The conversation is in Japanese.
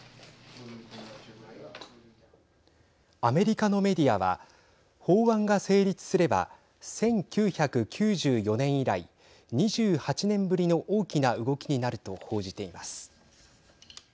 アメリカのメディアは法案が成立すれば１９９４年以来２８年ぶりの大きな動きになると報じています。